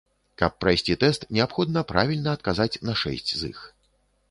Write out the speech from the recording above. Каб прайсці тэст, неабходна правільна адказаць на шэсць з іх.